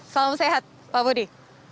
salam sehat pak budi